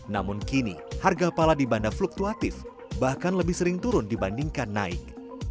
namun kini harga pala di banda fluktuatif bahkan lebih sering turun dibandingkan naik